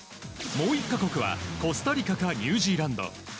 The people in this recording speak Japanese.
もう１か国はコスタリカかニュージーランド。